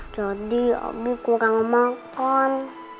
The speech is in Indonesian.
jadi abi kurang makan